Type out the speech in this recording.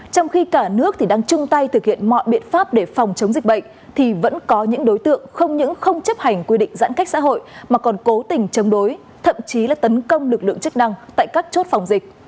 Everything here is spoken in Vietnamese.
trong khi cả nước đang chung tay thực hiện mọi biện pháp để phòng chống dịch bệnh thì vẫn có những đối tượng không những không chấp hành quy định giãn cách xã hội mà còn cố tình chống đối thậm chí là tấn công lực lượng chức năng tại các chốt phòng dịch